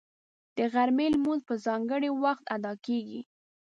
د غرمې لمونځ په ځانګړي وخت ادا کېږي